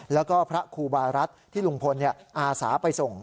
แล้วก็พระครูบารัฐที่ลุงพลอาสาไปส่ง